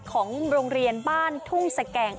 ของโรงเรียนบ้านทุ่งสแก่ง